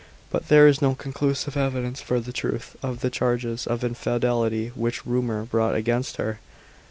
But there is no conclusive evidence for the truth of the charges of infidelity, which rumour brought against her.